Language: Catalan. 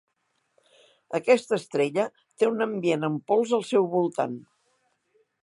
Aquesta estrella té un ambient amb pols al seu voltant.